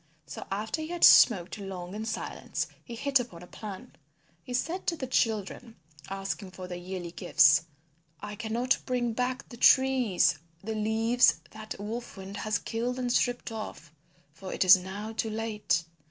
So after he had smoked long in silence he hit upon a plan. And he said to the children asking for their yearly gifts, "I cannot bring back to the trees the leaves that Wolf Wind has killed and stripped off, for it is now too late.